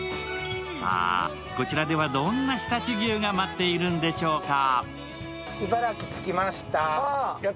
さぁ、こちらではどんな常陸牛が待っているんでしょうか。